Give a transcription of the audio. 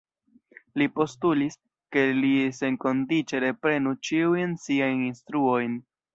Ili postulis, ke li senkondiĉe reprenu ĉiujn siajn instruojn.